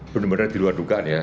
bener bener di luar dugaan ya